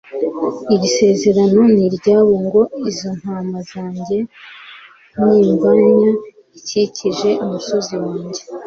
Iri sezerano ni iryabo ngo: "Izo ntama zanjye n'imvanya ikikije umusozi wanjye,